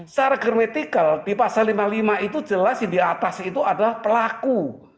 secara germetical di pasal lima puluh lima itu jelas yang di atas itu adalah pelaku